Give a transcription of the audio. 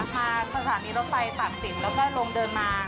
ทางภาษามีรถไฟตัดสินแล้วก็ลงเดินมา